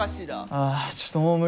あちょっともう無理。